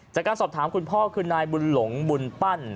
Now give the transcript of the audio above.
จากการสอบถามคุณพ่อคือนายบุญหลงบุญปั้น